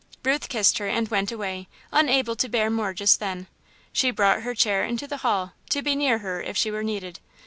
Ruth kissed her and went away, unable to bear more just then. She brought her chair into the hall, to be near her if she were needed.